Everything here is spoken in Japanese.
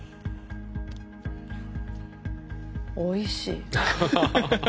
おいしい。